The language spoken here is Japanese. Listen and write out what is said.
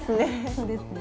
そうですね。